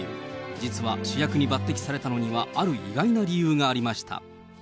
実は主役に抜てきされたのには、ある意外な理由がありました。